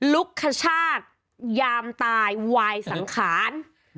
ลุกขชาติยามตายวายสังขาร